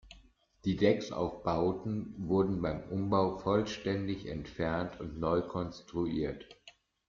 Die Decksaufbauten wurden beim Umbau vollständig entfernt und neu konstruiert.